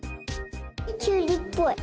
きゅうりっぽい。